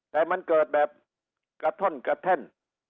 แต่มันเกิดแบบกระท่อนกระแท่น